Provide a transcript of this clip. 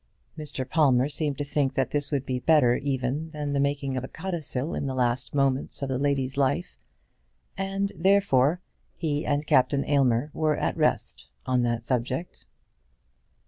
Mr. Palmer seemed to think that this would be better even than the making of a codicil in the last moments of the lady's life; and, therefore, he and Captain Aylmer were at rest on that subject.